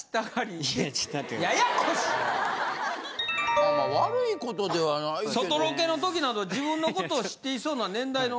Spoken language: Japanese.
まあまあ悪いことではないけど。